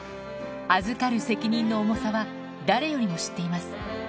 預かる責任の重さは、誰よりも知っています。